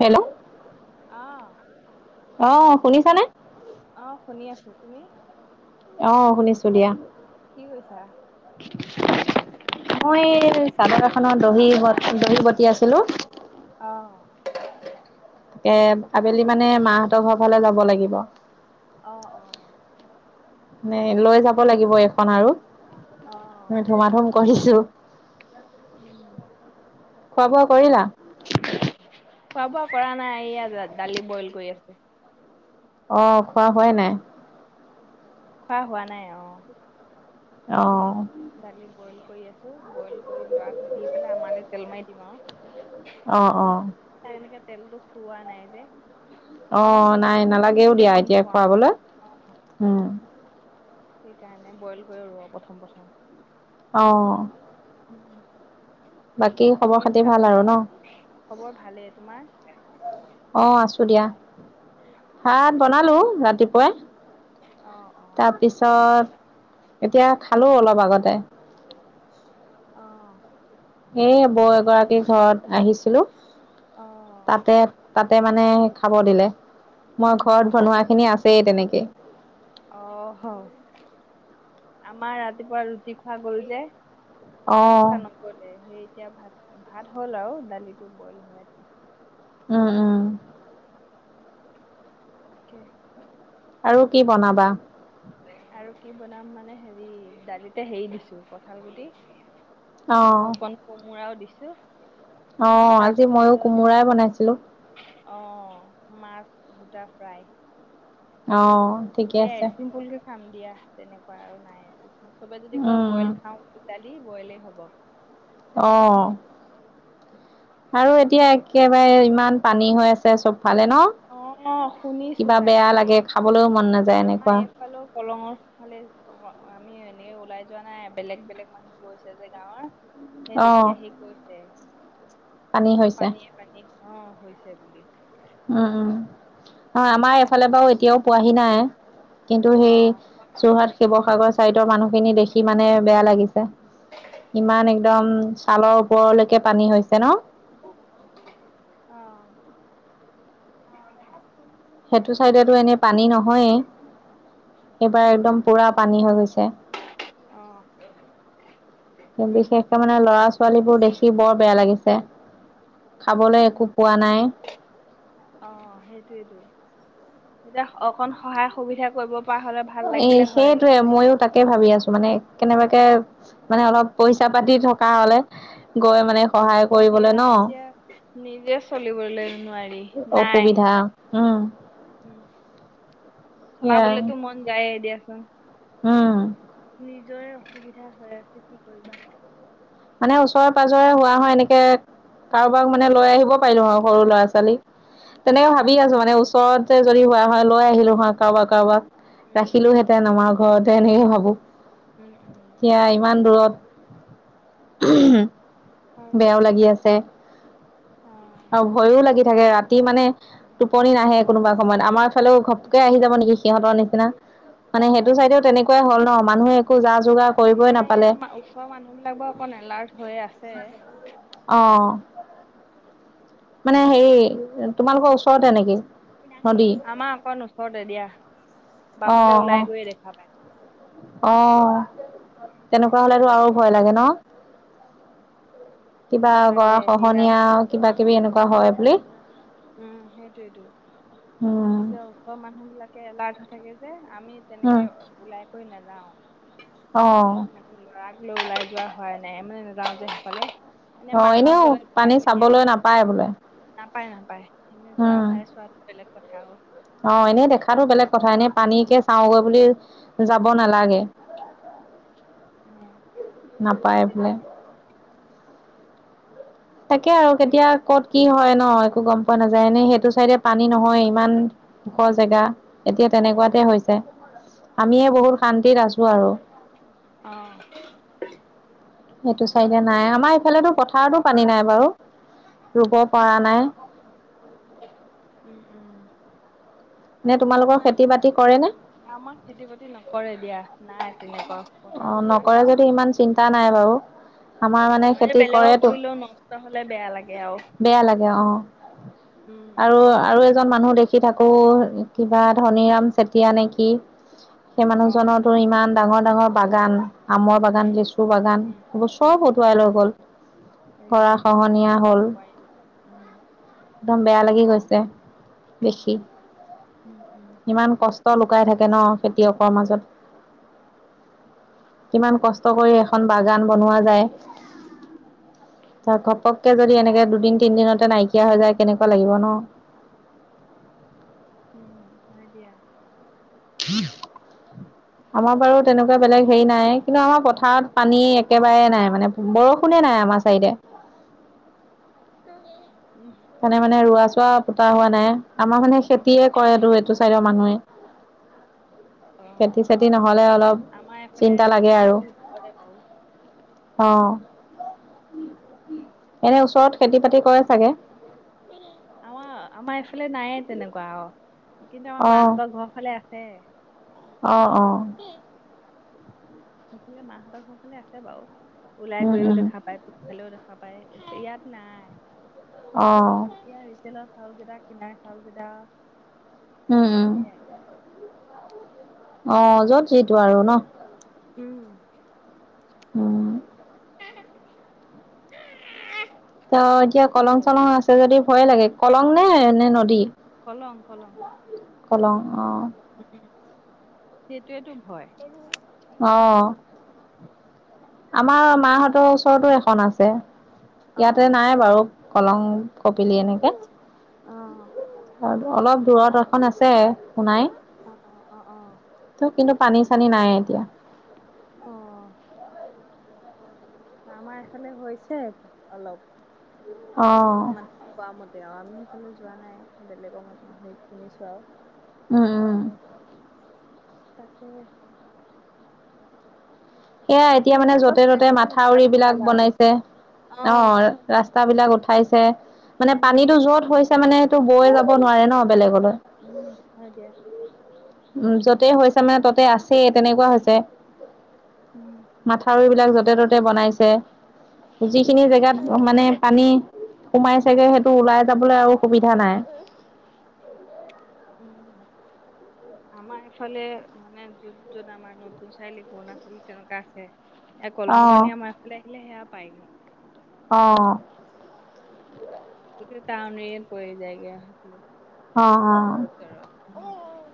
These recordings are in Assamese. হেল্ল', অ'। অ শুনিছানে? অ শুনি আছো, তুমি অ' শুনিছো দিয়া। কি কৈছা। মই চাদৰ এখনৰ দহি ব দহি বতি আছিলো। অ'। তাকে আবেলি মানে মাহঁতৰ ঘৰ ফালে যাব লাগিব। অ', অ'। নে লৈ যাব লাগিব এইখন আৰু, অঁ ধুম ধুম কৰিছো। উম। খোৱা বোৱা কৰিলা। খোৱা বোৱা কৰা নাই ইয়া দালি বইল কৰি আছে। অ খোৱা হোৱাই নাই। খোৱা হোৱা নাই অ'। অ'। দালি বইল কৰি আছো বইল কৰি লৰাক দি পেলাই আমালৈ তেল মাৰি দিম আৰু। অ অ'। এনেকে তেলতো খুওৱা নাই যে। অ এনে খুৱালে নাই ঘিউ চিউ নালাগেও দি দিয়া অকণ এতিয়া খুৱাও খুৱাবলৈ, অঁ উম। সেইকাৰণে বইল কৰি ৰ প্ৰথম প্ৰথম। অ'। উম। বাকী খবৰ খাতি ভাল আৰু ন? খবৰ ভালেই, তোমাৰ? অ আছো দিয়া, ভাত বনালো ৰাতিপুৱাই। অঁ অঁ তাৰপিছত, এতিয়া খালো অলপ আগতে। অহ। এ বৌ এগৰাকী ঘৰত আহিছিলো। অঁ তাতে তাতে মানে খাব দিলে। মই উম উম ঘৰত বনোৱা খিনি আছেই তেনেকে। অহ হ। আমাৰ ৰাতিপুৱা ৰুটি খোৱা গল যে। অ ভাত খোৱা নকলে সেই এতিয়া ভাত ভাত হ'ল আৰু দালিটো বইল হৈ আছে। উম উম। তাকে। আৰু কি বনাবা? আৰু কি বনাম মানে হেৰি দালিতে হেৰি দিছোঁ কঁঠাল গুটি। অ আকৌ অকন কোমোৰাও দিছো। অ আজি মইও তাৰপিছত কোমোৰাই বনাইছিলোঁ। অ মাছ গোটা ফ্ৰাই। অ ঠিকে সেয়াই আছে চিম্পল কে খাম দিয়া তেনেকুৱা আৰু নাই একো। ছবে যদি কই উম উম, বইল খাওঁ ডালি বইলে হব। অহ। আৰু এতিয়া একেবাৰে ইমান পানী হৈ আছে চবফালে ন। অ শুনিছো কিবা বেয়া তাকে, লাগে খাবলৈও মন নাযায় আমাৰ এনেকুৱা এই ফালেও- দলঙৰ ফালে অ আমি এনেকে ওলাই যোৱা নাই। বেলেগ বেলেগ মানুহ গৈছে যে গাঁৱৰ। হে অ দেখি আহি কৈছে, পানী হৈছে পানীয়ে পানী অঁ, হৈছে বুলি। উম, উম। অঁ, আমাৰ এইফালে বাৰু এতিয়াও পোৱাহি নাই। কিন্তু অ সেই যোৰহাট, শিৱসাগৰ চাইডৰ মানুহখিনি দেখি মানে বেয়া লাগিছে। ইমান একদম ছালৰ ওপৰলৈকে পানী হৈছে ন'? অঁ। সেইটো চাইডেটো এনেই পানী নহয়েই। এইবাৰ একদম পুৰা পানী হৈ গৈছে। অঁ। এ বিশেষক মানে, ল'ৰা-ছোৱালীবোৰ দেখি বৰ বেয়া লাগিছে খাবলে একো পোৱা নাই। অঁ, সেইটোৱেটো এতিয়া অকণ সহায় সুবিধা কৰিব পৰা হ'লে ভাল এই লাগিলে হয় সেইটোৱে। মইয়ো তাকে ভাবি আছো মানে, উম কেনেবাকে মানে অলপ পইচা-পাতি থকা হ'লে। গৈ মানে সহায় হয় দিয়া কৰিবলে ন'? এতিয়া নিজে চলিবলে নোৱা ৰি, নাই অসুবিধা উম ওঁ চলাবলেটো মই গাই দিয়াচোন। হোঁম। নিজৰে অসুবিধা হৈ আছে কি কৰিবা। মানে, ওচৰে-পাজৰে হোৱা হয় এনেকে কাৰোবাক মানে, লৈ আহিব পাৰিলো হয় সৰু ল'ৰা-ছোৱালী। তেনেকে অ ভাবি আছো মানে, ওচৰতে যদি হোৱা হয়, লৈ আহিলো হয় কাৰোবাক, কাৰোবাক উম ৰাখিলোহেঁতেন আমাৰ ঘৰটে এনেকে ভাবোঁ। উম উম এতিয়া ইমান দূৰত উদমহ্ হয় বেয়াও দিয়া লাগি আছে। অ আৰু ভয়ো লাগি থাকে ৰাতি মানে, অ টোপনি অ নাহে কোনোবা সময়ত আমাৰ ফালেও ঘপকে আহি যাব নেকি সিহঁতৰ নিচিনা? মানে, অ সেইটো চাইডেও তেনেকুৱাই হ'ল ন'? মানুহে একো যা-যোগাৰ আমাৰ ইয়াৰ মা- ওচৰৰ মানুহবিলাক বাও অকণ এলাৰ্ট হয় আ অঁ। [inaudible] মানে হেৰি, তোমালোকৰ ওচৰতে নেকি? নদী আমাৰ অকণ ওচৰতে দিয়া। অ', বাটলে ওলাই গৈয়ে দেখা পায়। অঁ, তেনেকুৱা হ'লেতো আৰু ভয় লাগে ন'? কিবা ভয় লাগে এয়া গৰাখহনীয়া আৰু অ কিবা-কিবি এনেকুৱা হয় বুলি। উম, সেইটোৱেইটো। উম, এতিয়া ওচৰ মানুহ বিলাকে এলাৰ্ট হৈ থাকে যে আমি উম, তেনেকে ওলাই কৈ নেযাওঁ। অঁ। [unintelligible] ল'ৰাক লৈ ওলাই যোৱা হোৱাই নাই মানে, নেযাওঁ যে সেইফালে। এনেই অ', মাহঁত এনেও গ'লে পানী চাই-মেলি চাবলৈ আহে। নাপায় বোলে নাপায়, নাপায় এনেই যোৱাভাই চোৱাটো বেলেগ কথা আৰু। অঁ, এনেই দেখাতো বেলেগ কথা, এনে পানীকে চাওঁগৈ বুলি যাব নালাগে, উম নাপায় বোলে। তাকে আৰু তাকে কেতিয়া ক'ত কি হয় ন'? একো গম পোৱা নাযায়। এনেই সেইটো চাইডে পানী নহয় ইমান ওখৰ জেগা। এতিয়া তেনেকুৱাতে উম হৈছে আমিয়ে বহুত শান্তিত আছো আৰু। [unintelligible] অঁ। [inaudible] সেইটো চাইডে নাই আমাৰ ইফালেতো পথাৰতো পানী নাই বাৰু। ৰোব [inaudible] অঁ! উম-উম। [unintelligible] এনেই তোমালোকৰ খেতি-বাতি কৰে নে? [unintelligible] আমাক খেতি-বাতি নকৰে দিয়া। নাই তেনেকুৱা। [unintelligible] অঁ! চথাৰ। নকৰে যদি ইমান চিন্তা নাই বাৰু। আমাৰ মানে খেতি কৰেতো। [unintelligible] নহলে বেয়া লাগে আৰু। [inaudible] বেয়া লাগে অঁ! উম, আৰু-আৰু [inaudible] [unintelligible] এজন মানুহ দেখি থাকো কিবা ধনীৰাম চেতিয়া নেকি? সেই অ', মানুহজনৰতো ইমান ডাঙৰ-ডাঙৰ বাগান। [inaudible] আমৰ উম, বাগান, লেচু বাগান উম, এইবোৰ চব লিচু উটুৱাই বাগান লৈ গ'ল। [unintelligible] এ গৰা মোক খহনীয়া হ'ল। [inaudible] কোৱাই উম। [unintelligible] একদম বেয়া লাগি গৈছে দেখি। [unintelligible] উম-উম। [unintelligible] ইমান কষ্ট লুকাই থাকে ন খেতিয়কৰ মাজত। [unintelligible] কিমান কষ্ট কৰি এখন বাগান বনোৱা যায়। [inaudible] ত ঘপককে যদি এনেকে দুদিন-তিনদিনতে নাইকিয়া হৈ যায় কেনেকুৱা লাগিব ন। [inaudible] উম! হয় দিয়া। [unintelligible] [unintelligible] আমাৰ বাৰু তেনেকুৱা বেলেগ হেৰি নাই কিন্তু আমাৰ পথাৰত পানী [unintelligible] একেবাৰে নাই মানে বৰষুণে নাই আমাৰ চাইডে। [unintelligible] [inaudible] উম [unintelligible] সেই কাৰণে মানে ৰোৱা-চোৱা পতা হোৱা নাই। আমাৰ মানে খেতিয়ে কৰেটো এইটো চাইডৰ মানুহে। [inaudible] [inaudible] অঁ! খেতি চেতি নহ'লে অলপ আমাৰ এইফালে চিন্তা লাগে আৰু খেতি নকৰে বাৰু। [inaudible] অঁ! [inaudible] এনেই ওচৰত খেতি-বাতি কৰে চাগে? [unintelligible] আমাৰ-আমাৰ এইফালে নায়ে তেনেকুৱা আৰু কিন্তু আমাৰ মাহঁতৰ ঘৰৰ ফালে আছ আছে। [unintelligible] অ-অ! [inaudible] [unintelligible] সেইফালে মাহঁতৰ ঘৰৰ ফালে আছে বাৰু ওলাই উম গৈও উম দেখা পায়। [unintelligible] সেইফালেও দেখা পাই, ইয়াত নাই। [unintelligible] অঁ! [inaudible] এতিয়াৰ ৰিটৈলৰ চাউলকেইটা কিনাই চাউল কেইটা আউ। [inaudible] উম-উম। [unintelligible] অঁ! য'ত যিটো আৰু ন? [unintelligible] উম। [unintelligible] অঁ [inaudible] [unintelligible] অঁ! এতিয়া কি বোলে এইটো কলং-চলং আছে যদি ভয় লাগে। কলং নে নে নদী? [unintelligible] কলং-কলং। [unintelligible] [inaudible] কলং অঁ! [inaudible] সেইটোৱেইটো ভয়। অ! আমাৰ মাহঁতৰ ওচৰতো এখন আছে। [inaudible] ইয়াতে অ', নাই বাৰু কলং কপিলি এনেকে অ', অ অলপ দূৰত এখন আছে সোনাই অ অ অ অ কিন্তু পানী চানী নাই এতিয়া অ আমাৰ এফালে হৈছে অলপ অ মা কোৱা মতে আৰু আমি সেইফালে যোৱা নাই বেলেগৰ মন হেৰিত শুনিছো আও উম উম তাকেহে এয়া এতিয়া মানে তথাপিতো অলপ য'তে ফ্ৰেছ ত'তে হৈ মাথাউৰি থকাটো বিলাক ভাল আৰু বনাইছে অ ৰা স্তা বিলাক উঠাইছে মানে উম। পানীতো যত হৈছে মানে সেইটো বৈ যাব অ', নোৱাৰে ন বেলেগলৈ উম হয় দিয়া উ যতেই হৈছে মানে তাতে আছেই তেনেকোৱা হৈছে উম। মাথাউৰিবিলাক য'তে ত'তে বনাইছে যিখিনি জেগাত মানে পানী সোমাইচেগে সেইটো ওলাই যাবলৈ আৰু সুবিধা নাই উম আমাৰ এইফালে মানে য'ত য'ত আমাৰ নতুন চাৰিআলি পুৰণ চাৰিআলি তেনেকোৱা আছে এ কলঙৰ অঁ পানী আমাৰফালে আহিলে সেয়া পায়গৈ অ সেইটোকাৰণেই পৰি যায়গে অ অ ভিতৰত অ অ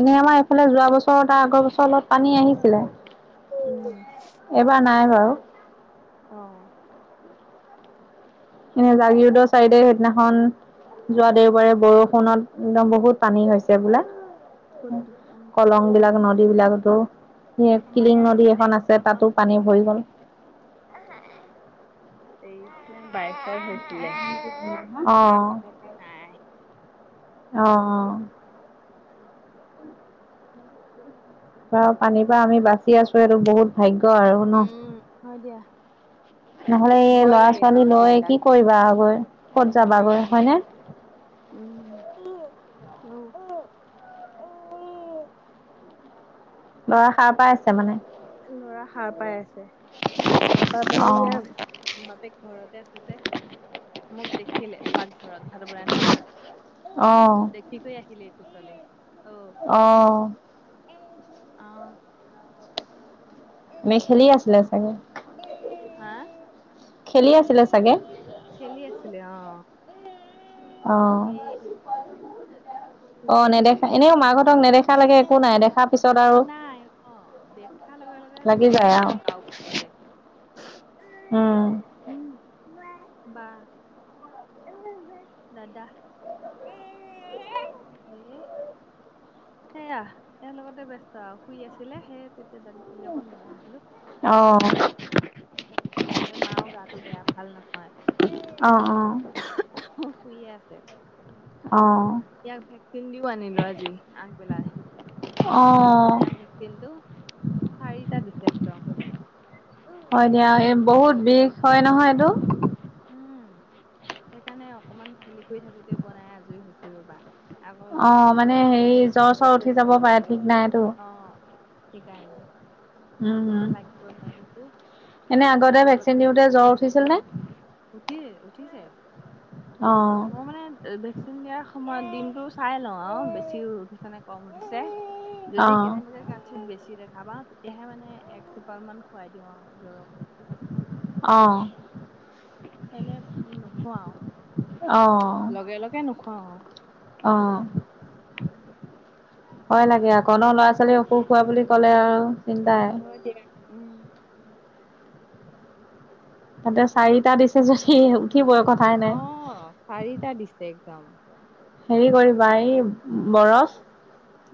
এনেই আমাৰ এইফালে যোৱা বছৰ আগৰ বছৰ অলপ পানী আহিছিলে উম বহু এইবাৰ নাই বাৰু অ এনে জাগিৰোদৰ চাইডে সেইদিনাখন যোৱা দেওবাৰে বৰষুণত একদম বহুত পানী হৈ ছে বোলে কোনটো অ'। কলং বিলাক নদী বিলাকতো এতিয়া আমাৰ কিলিং ইয়াত নদী তেইশ এখন আছে তাতো পানী ভৰি গ'ল এহে এ তেইশ বাইশৰ সেইটোৱে অঁ তাৰপিছত পৰা নাই অ অ বাও পানীৰ পৰা আমি বাচি আছো এইটো বহুত ভাগ্য আৰু ন উম, [unintelligible] নহ'লে এই ভয় ল'ৰা লাগে ছোৱালী আৰু লৈ সেইবিলাক, কি কৰিবা আও গৈ ক'ত নোৱাৰি যাবাগৈ নোৱাৰি। হয়নে। উম উ উ উ লৰা সাৰ পাই আছে। মানে লৰা সাৰ পাই আছে সাৰ পাই অ পেলাই ইয়াৰ বাপেক ঘৰতে আছে যে মোক দেখিলে পাকঘৰত ভাত বনাই থকা অ দে ঠিকে আহিলে কোচলে অ অ মে খেলি আছিলে অহ চাগে হা খেলি আছিলে চাগে খেলি আছিলে অ অ উম অঁ নেদেখা এতিয়া এনেও মোৰ লগত মাকহঁতক বান্ধি নেদেখা লেগে একো নাই দেখাৰ পিছত আৰু- অঁ দেখা লগে লগে লাগি যায় নৰখে আৰু আও কাওলেকে। এ উম উম' বা। দাদা এ এ এ। সেয়া এ লগতে ব্যস্ত আও, শুই আছিলে সেই তেতিয়াই দালি চালি অকণ বহাই দিলো। অঁ। তাতে মাও গাটো বেয়া ভাল নহয়। অ অ শুইৱে আছে। অঁ' ইয়াক ভেকচিন দিও আনিলো আজি আকব- অ নমহীয়া ভেকচিনটো চাৰিটা দিছে একদম। হয় দিয়া, উম এই বহুত বিষ হয় নহয় এইটো। উম'সেইকাণে অকমান খেলি কৰি থাকোঁতেই বনাই আজৰি হৈু হৈছো ৰ'বা। আগৰ অ বিষে জে মানে হেৰি উঠিলে জ্বৰ চৰ ক'তো উঠি একো যাব কৰিব পাৰে ঠিক নাইতো নোৱাৰে। অঁ' ঠিকাই নি। উম' এনে আগতে তাৰ লগত ভেকচিন দিওঁতে জ্বৰ উঠিছিল নে। উঠি উঠিছে, অ মোৰ মানে- ভেকচিন দিয়াৰ সময়ত দিনটো চাই লওঁ আৰু বেছি উঠিছেনে কম উঠিছে। অ যদি কেনেবাকে কাতচিত বছি ৰাগ- ভাবা তেতিয়াহে মানে এক টোপাল মান খুৱাই দিওঁ আৰু জ্বৰ ঔষধ। অঁ' এনে নোখোৱাওঁ অ লগে লগে নোখুৱাওঁ। অঁ হয় লাগে আকণ লৰা- ল'ৰা ছোৱালী অসুখ হোৱা বুলি উম, ক'লে আও চিন্তাই। হয় দে। উম' তাতে তাকে। চাৰিটা দিছে যদি উঠিবই কত- অঁ চাৰিটা ডিছে একদম। হেৰি কৰিবা এই বৰফ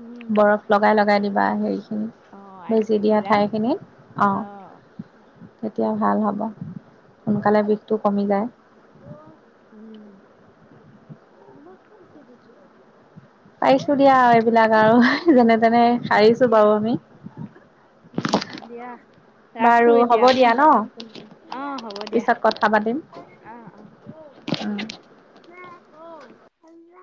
উম। বৰফ লগাই লগাই দিবা হেৰি খিনি। অ', আইচ বেজি কিউব দিয়া বিলাক ঠাইখিনিত অ'। অঁ'। তেতিয়া ভাল হ'ব, সোনকালে বিষটো কমিটো যায়। ৱ উম ইমাকে দিছে বেজি আজি। পাৰিছো দিয়া এইবিলাক আৰু যেনে তেনে হয় সাৰিছো দিয়া, বাৰু আমি। উম' দিয়া। ৰাখো বাৰু এতিয়া হ'ব দিয়া অকমান পিছত ন ফোন কৰিম, অঁ হ'ব দিয়া। পিছত কথা পাতিম অঁ অঁ, অও।